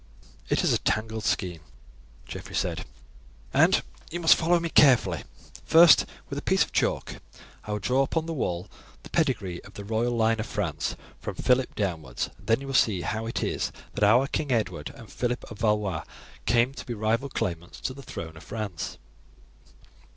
"It is a tangled skein," Geoffrey said, "and you must follow me carefully. First, with a piece of chalk I will draw upon the wall the pedigree of the royal line of France from Phillip downwards, and then you will see how it is that our King Edward and Phillip of Valois came to be rival claimants to the throne of France.